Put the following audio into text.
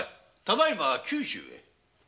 ただ今は九州へ。